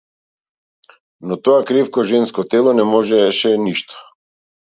Но тоа кревко женско тело не можеше ништо.